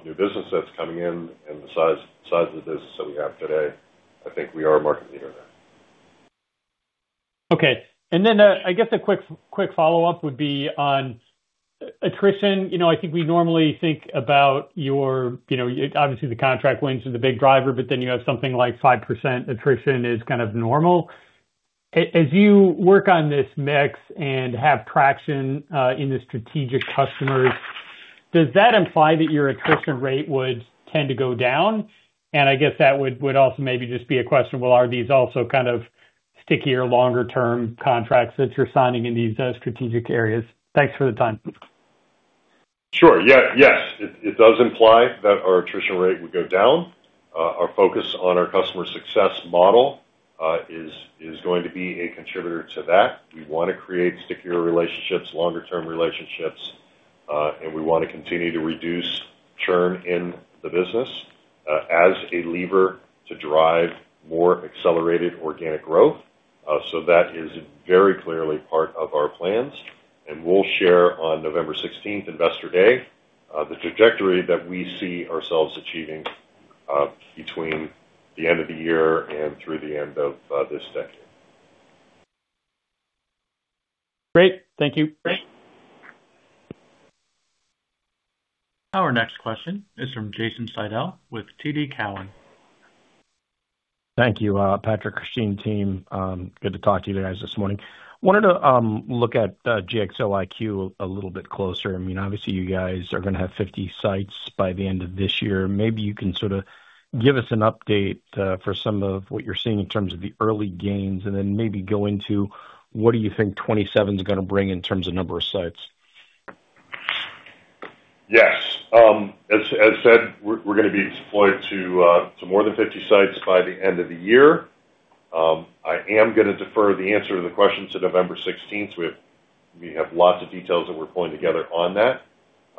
new business that's coming in and the size of the business that we have today, I think we are a market leader there. Okay. I guess a quick follow-up would be on attrition. I think we normally think about obviously, the contract wins are the big driver, you have something like 5% attrition is kind of normal. As you work on this mix and have traction in the strategic customers, does that imply that your attrition rate would tend to go down? I guess that would also maybe just be a question, well, are these also kind of stickier longer-term contracts that you're signing in these strategic areas? Thanks for the time. Sure. Yes. It does imply that our attrition rate would go down. Our focus on our customer success model is going to be a contributor to that. We want to create stickier relationships, longer-term relationships, and we want to continue to reduce churn in the business as a lever to drive more accelerated organic growth. That is very clearly part of our plans, and we'll share on November 16th, Investor Day, the trajectory that we see ourselves achieving between the end of the year and through the end of this decade. Great. Thank you. Our next question is from Jason Seidl with TD Cowen. Thank you, Patrick, Kristine, team. Good to talk to you guys this morning. Wanted to look at GXO IQ a little bit closer. Obviously, you guys are going to have 50 sites by the end of this year. Maybe you can sort of give us an update for some of what you're seeing in terms of the early gains, then maybe go into what do you think 2027's going to bring in terms of number of sites? Yes. As said, we're going to be deployed to more than 50 sites by the end of the year. I am going to defer the answer to the question to November 16th. We have lots of details that we're pulling together on that,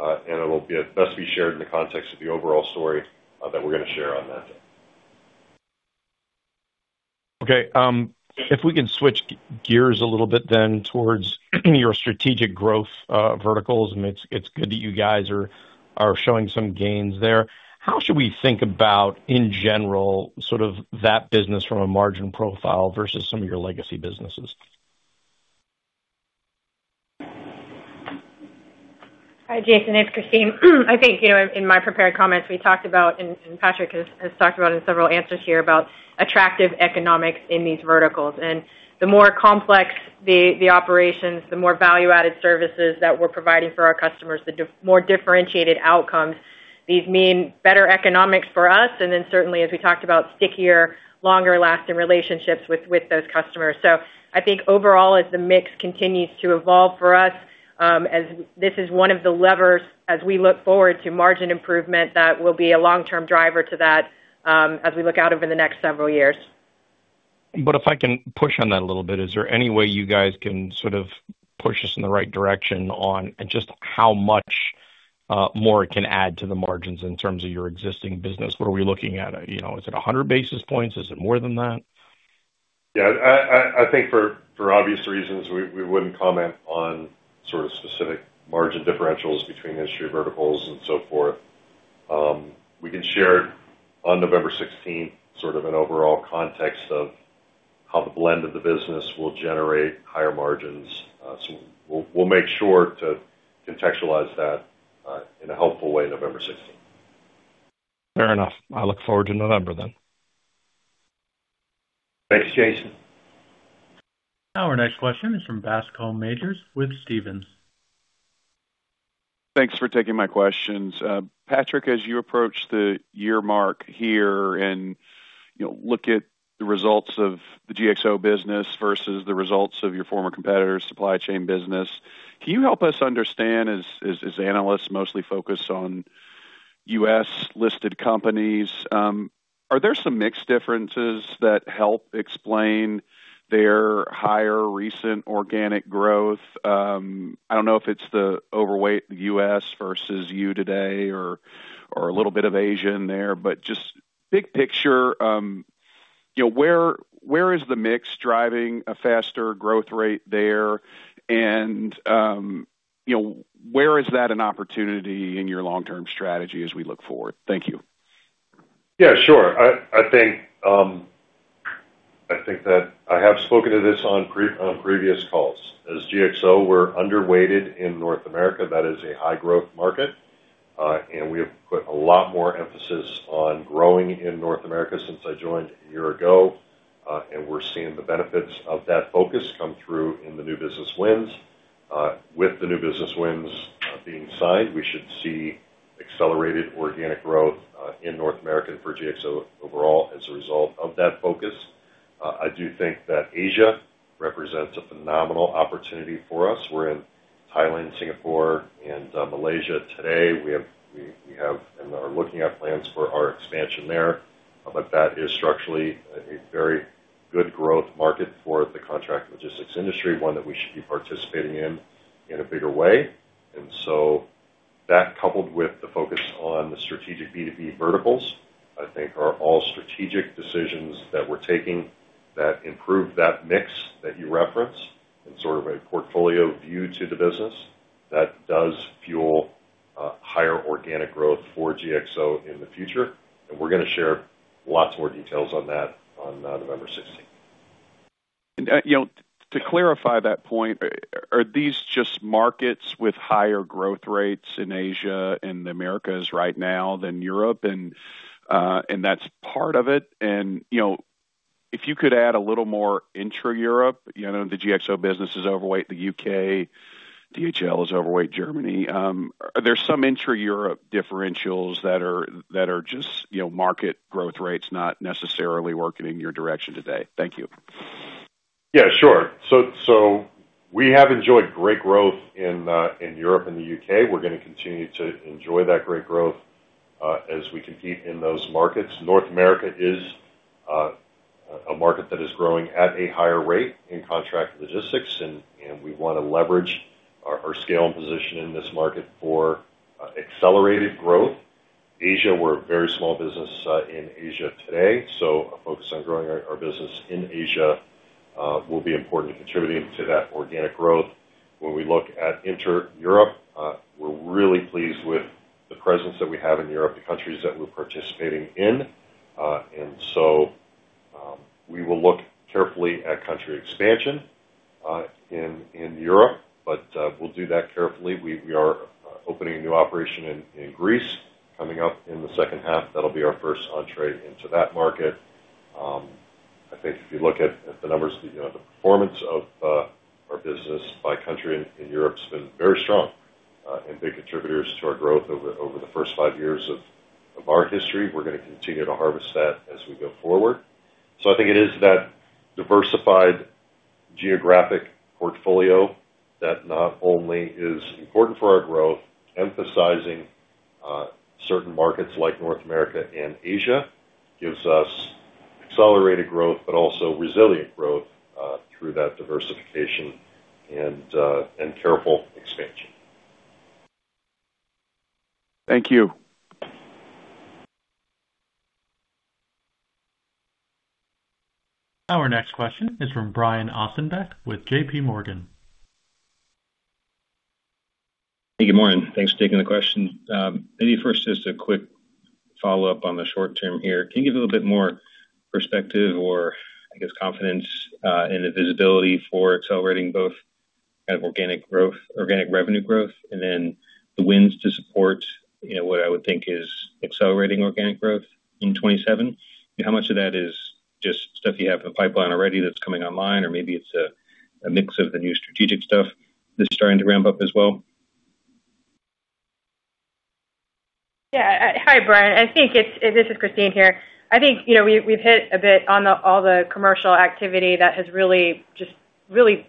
it will best be shared in the context of the overall story that we're going to share on that day. Okay. If we could switch gears a little bit then towards your strategic growth verticals, it's good that you guys are showing some gains there. How should we think about, in general, sort of that business from a margin profile versus some of your legacy businesses? Hi, Jason, it's Kristine. I think in my prepared comments we talked about, Patrick has talked about in several answers here about attractive economics in these verticals. The more complex the operations, the more value-added services that we're providing for our customers, the more differentiated outcomes. These mean better economics for us, certainly, as we talked about, stickier, longer-lasting relationships with those customers. I think overall, as the mix continues to evolve for us, as this is one of the levers as we look forward to margin improvement, that will be a long-term driver to that as we look out over the next several years. If I can push on that a little bit, is there any way you guys can sort of push us in the right direction on just how much more it can add to the margins in terms of your existing business? What are we looking at? Is it 100 basis points? Is it more than that? I think for obvious reasons, we wouldn't comment on sort of specific margin differentials between industry verticals and so forth. We can share on November 16th sort of an overall context of how the blend of the business will generate higher margins. We'll make sure to contextualize that in a helpful way on November 16th. Fair enough. I look forward to November. Thanks, Jason. Our next question is from Bascome Majors with Stephens. Thanks for taking my questions. Patrick, as you approach the year mark here and look at the results of the GXO business versus the results of your former competitor's supply chain business, can you help us understand, as analysts mostly focus on U.S.-listed companies, are there some mix differences that help explain their higher recent organic growth? I don't know if it's the overweight U.S. versus you today or a little bit of Asia in there, but just big picture, where is the mix driving a faster growth rate there, and where is that an opportunity in your long-term strategy as we look forward? Thank you. Yeah, sure. I think that I have spoken to this on previous calls. As GXO, we're underweighted in North America. That is a high-growth market. We have put a lot more emphasis on growing in North America since I joined a year ago, and we're seeing the benefits of that focus come through in the new business wins. With the new business wins being signed, we should see accelerated organic growth in North America for GXO overall as a result of that focus. I do think that Asia represents a phenomenal opportunity for us. We're in Thailand, Singapore, and Malaysia today. We have and are looking at plans for our expansion there. That is structurally a very good growth market for the contract logistics industry, one that we should be participating in a bigger way. That coupled with the focus on the strategic B2B verticals, I think are all strategic decisions that we're taking that improve that mix that you referenced in sort of a portfolio view to the business that does fuel higher organic growth for GXO in the future. We're going to share lots more details on that on November 16th. To clarify that point, are these just markets with higher growth rates in Asia and the Americas right now than Europe? That's part of it and if you could add a little more intra-Europe, the GXO business is overweight the U.K., DHL is overweight Germany. Are there some intra-Europe differentials that are just market growth rates not necessarily working in your direction today? Thank you. Yeah, sure. We have enjoyed great growth in Europe and the U.K. We're going to continue to enjoy that great growth as we compete in those markets. North America is a market that is growing at a higher rate in contract logistics, and we want to leverage our scale and position in this market for accelerated growth. Asia, we're a very small business in Asia today, a focus on growing our business in Asia will be important to contributing to that organic growth. When we look at intra-Europe, we're really pleased with the presence that we have in Europe, the countries that we're participating in. We will look carefully at country expansion in Europe. We'll do that carefully. We are opening a new operation in Greece coming up in the second half. That'll be our first entrée into that market. I think if you look at the numbers, the performance of our business by country in Europe has been very strong and big contributors to our growth over the first five years of our history. We're going to continue to harvest that as we go forward. I think it is that diversified geographic portfolio that not only is important for our growth, emphasizing certain markets like North America and Asia gives us accelerated growth, but also resilient growth through that diversification and careful expansion. Thank you. Our next question is from Brian Ossenbeck with J.P. Morgan. Hey, good morning. Thanks for taking the question. Maybe first, just a quick follow-up on the short term here. Can you give a little bit more perspective or, I guess, confidence in the visibility for accelerating both kind of organic revenue growth and then the wins to support what I would think is accelerating organic growth in 2027? How much of that is just stuff you have in the pipeline already that's coming online, or maybe it's a mix of the new strategic stuff that's starting to ramp up as well? Yeah. Hi, Brian. This is Kristine here. I think we've hit a bit on all the commercial activity that has really just really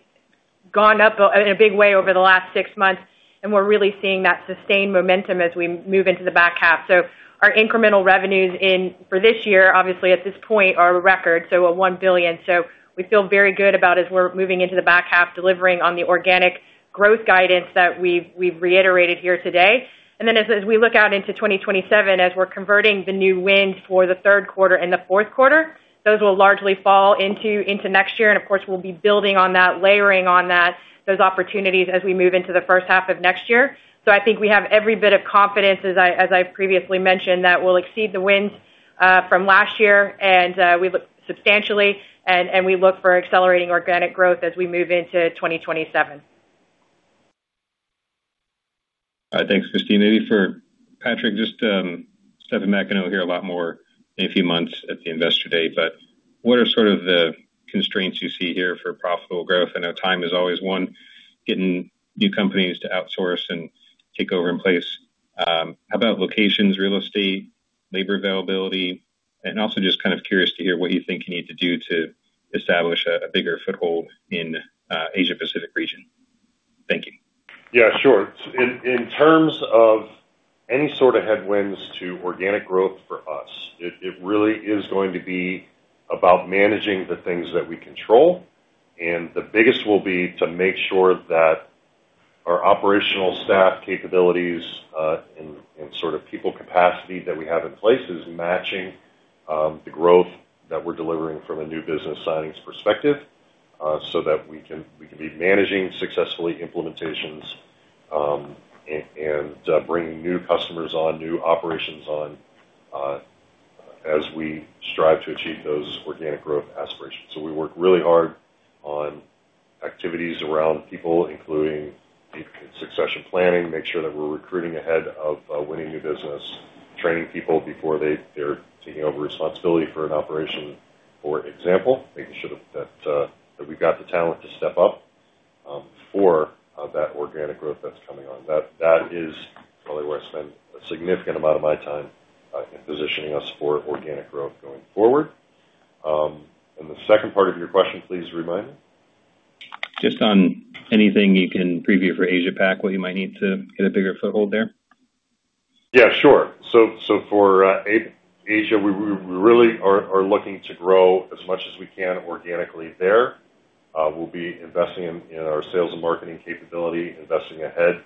gone up in a big way over the last six months, and we're really seeing that sustained momentum as we move into the back half. Our incremental revenues for this year, obviously at this point, are a record, so a $1 billion. We feel very good about as we're moving into the back half, delivering on the organic growth guidance that we've reiterated here today. As we look out into 2027, as we're converting the new wins for the third quarter and the fourth quarter, those will largely fall into next year. Of course, we'll be building on that, layering on those opportunities as we move into the first half of next year. I think we have every bit of confidence, as I previously mentioned, that we'll exceed the wins from last year, and we look for accelerating organic growth as we move into 2027. All right. Thanks, Kristine. Maybe for Patrick, just stepping back, I know we'll hear a lot more in a few months at the Investor Day, what are sort of the constraints you see here for profitable growth? I know time is always one, getting new companies to outsource and take over in place. How about locations, real estate, labor availability, and also just kind of curious to hear what you think you need to do to establish a bigger foothold in Asia Pacific region. Thank you. Yeah, sure. In terms of any sort of headwinds to organic growth for us, it really is going to be about managing the things that we control. The biggest will be to make sure that our operational staff capabilities, and sort of people capacity that we have in place is matching the growth that we're delivering from a new business signings perspective so that we can be managing successfully implementations, and bringing new customers on, new operations on as we strive to achieve those organic growth aspirations. We work really hard on activities around people, including deep succession planning, make sure that we're recruiting ahead of winning new business, training people before they're taking over responsibility for an operation, for example, making sure that we've got the talent to step up for that organic growth that's coming on. That is probably where I spend a significant amount of my time in positioning us for organic growth going forward. The second part of your question, please remind me. Just on anything you can preview for Asia Pac, what you might need to get a bigger foothold there. Yeah, sure. For Asia, we really are looking to grow as much as we can organically there. We'll be investing in our sales and marketing capability, investing ahead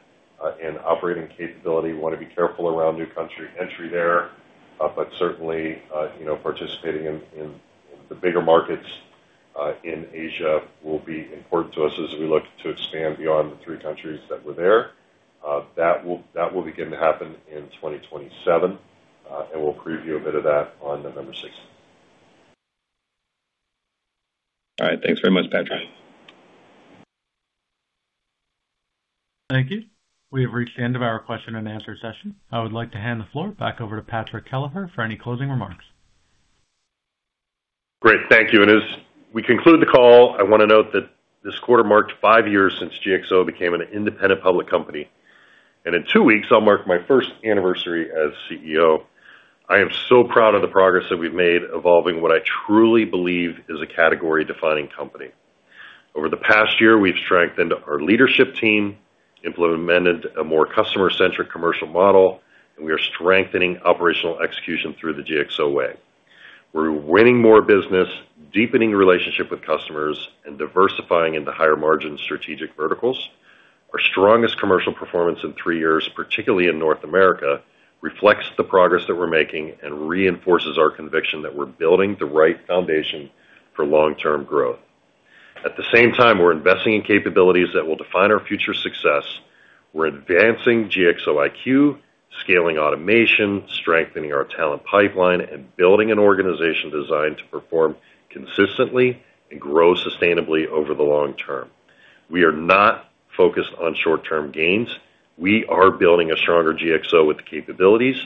in operating capability. We want to be careful around new country entry there. Certainly, participating in the bigger markets in Asia will be important to us as we look to expand beyond the three countries that were there. That will begin to happen in 2027, and we'll preview a bit of that on November 16th. All right. Thanks very much, Patrick. Thank you. We have reached the end of our question and answer session. I would like to hand the floor back over to Patrick Kelleher for any closing remarks. Great. Thank you. As we conclude the call, I want to note that this quarter marked five years since GXO became an independent public company. In two weeks, I'll mark my first anniversary as CEO. I am so proud of the progress that we've made evolving what I truly believe is a category-defining company. Over the past year, we've strengthened our leadership team, implemented a more customer-centric commercial model, and we are strengthening operational execution through the GXO Way. We're winning more business, deepening relationships with customers, and diversifying into higher margin strategic verticals. Our strongest commercial performance in three years, particularly in North America, reflects the progress that we're making and reinforces our conviction that we're building the right foundation for long-term growth. At the same time, we're investing in capabilities that will define our future success. We're advancing GXO IQ, scaling automation, strengthening our talent pipeline, and building an organization designed to perform consistently and grow sustainably over the long term. We are not focused on short-term gains. We are building a stronger GXO with the capabilities,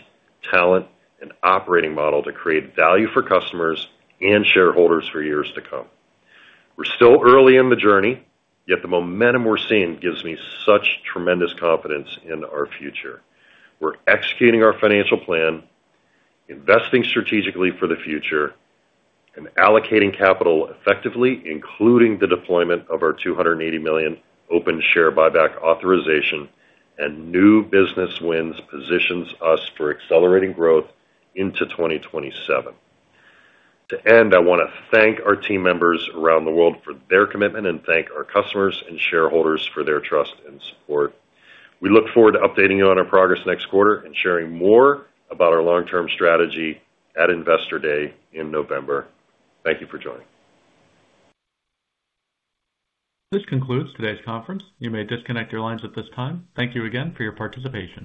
talent, and operating model to create value for customers and shareholders for years to come. We're still early in the journey, yet the momentum we're seeing gives me such tremendous confidence in our future. We're executing our financial plan, investing strategically for the future, and allocating capital effectively, including the deployment of our $280 million open share buyback authorization and new business wins positions us for accelerating growth into 2027. To end, I want to thank our team members around the world for their commitment, and thank our customers and shareholders for their trust and support. We look forward to updating you on our progress next quarter and sharing more about our long-term strategy at Investor Day in November. Thank you for joining. This concludes today's conference. You may disconnect your lines at this time. Thank you again for your participation.